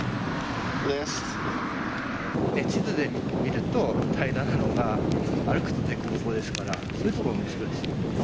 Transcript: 地図で見ると、平らなのが、歩くと凸凹ですから、そういうところ、おもしろいですよね。